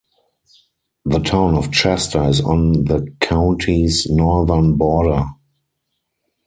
The Town of Chester is on the county's northern border.